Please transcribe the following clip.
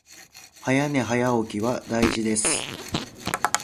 早寝早起きは大事です